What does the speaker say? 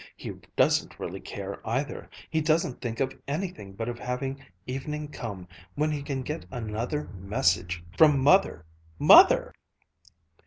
He doesn't really care either. He doesn't think of anything but of having evening come when he can get another 'message' from Mother ... from Mother! Mother!"